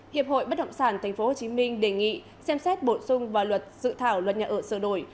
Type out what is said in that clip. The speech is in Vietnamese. hiệp hội bất động sản tp hcm đề nghị xem xét bổ sung vào luật dự thảo luật nhà ở sửa đổi